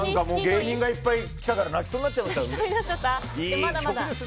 芸人がいっぱい来たから泣きそうになっちゃった。